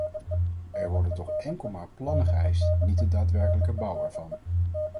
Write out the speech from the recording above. Er worden toch enkel maar plannen geëist, niet de daadwerkelijke bouw ervan.